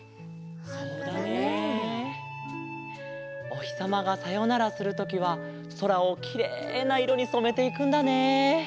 おひさまがさよならするときはそらをきれいないろにそめていくんだね！